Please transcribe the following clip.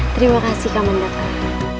terima kasih kamon bapak